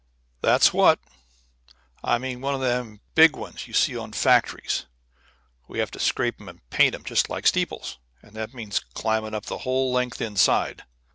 "That's what. I mean one o' them big ones you see on factories. We have to scrape 'em and paint 'em just like steeples, and that means climbing up the whole length inside.